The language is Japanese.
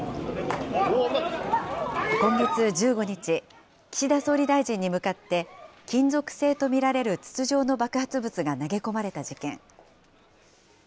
今月１５日、岸田総理大臣に向かって金属製と見られる筒状の爆発物が投げ込まれた事件。